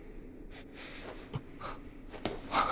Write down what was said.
・あっ。